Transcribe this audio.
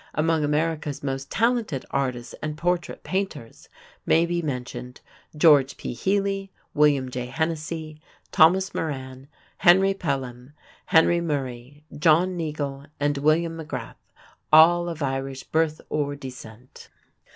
Among America's most talented artists and portrait painters may be mentioned George P. Healy, William J. Hennessy, Thomas Moran, Henry Pelham, Henry Murray, John Neagle, and William Magrath, all of Irish birth or descent.